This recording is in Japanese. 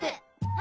あ！